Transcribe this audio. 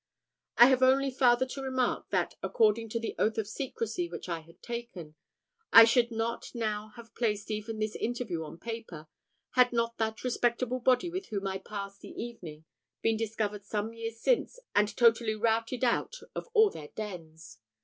I have only farther to remark, that, according to the oath of secrecy which I had taken, I should not now have placed even this interview on paper, had not that respectable body with whom I passed the evening been discovered some years since, and totally routed out of all their dens.